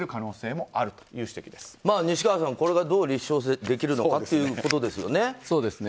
まあ、西川さん、これがどう立証できるかってことですよね。